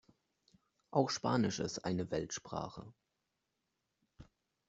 Auch Spanisch ist eine Weltsprache.